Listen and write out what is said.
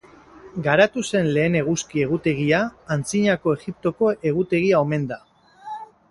Garatu zen lehen eguzki egutegia Antzinako Egiptoko egutegia omen da.